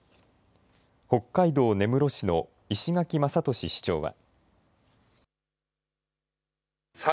北海道根室市の石垣雅敏市長は。